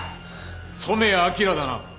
染谷明だな。